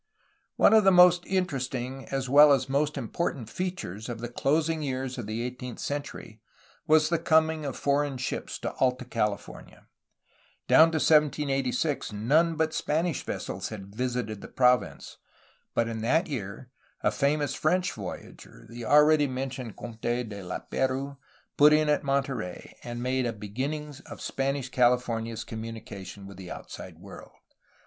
One of the most interesting as well as most important features of the closing years of the eighteenth century was the coming of foreign ships to Alta California. Down to 1786 none but Spanish vessels had visited the province, but in that year a famous French voyager, the already men tioned Comte de Lap^rouse, put in at Monterey, and made a beginning of Spanish California's communication with the outside world.